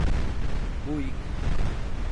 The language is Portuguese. Buíque